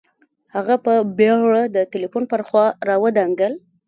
هغه په بېړه د ټلیفون پر خوا را ودانګل